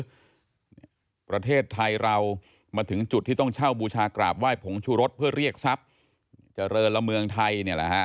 ประเทศไทยเรามาถึงจุดที่ต้องเช่าบูชากราบไหว้ผงชุรสเพื่อเรียกทรัพย์เจริญละเมืองไทยเนี่ยแหละฮะ